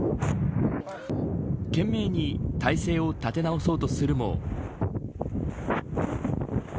懸命に体勢を立て直そうとするも。